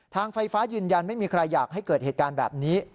ทางไฟฟ้ายืนยันไม่มีใครอยากให้เกิดเหตุการณ์แบบนี้